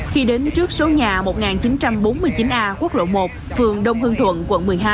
khi đến trước số nhà một nghìn chín trăm bốn mươi chín a quốc lộ một phường đông hương thuận quận một mươi hai